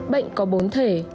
bệnh có bốn thể